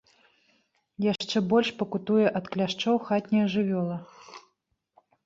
Яшчэ больш пакутуе ад кляшчоў хатняя жывёла.